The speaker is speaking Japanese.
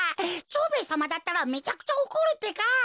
蝶兵衛さまだったらめちゃくちゃおこるってか。